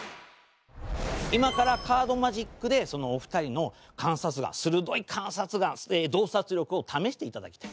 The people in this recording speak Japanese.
今からカードマジックでそのお二人の観察眼鋭い観察眼洞察力を試していただきたい。